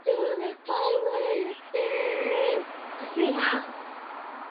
wanaweza kufa kuliko wanyama waliokomaa